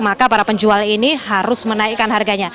maka para penjual ini harus menaikkan harganya